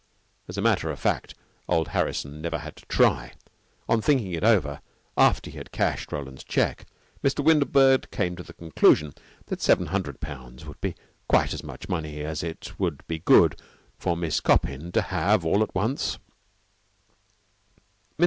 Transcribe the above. As a matter of fact, old Harrison never had to try. On thinking it over, after he had cashed Roland's check, Mr. Windlebird came to the conclusion that seven hundred pounds would be quite as much money as it would be good for Miss Coppin to have all at once.